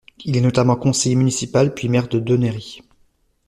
Il est notamment conseiller municipal puis maire de Donnery.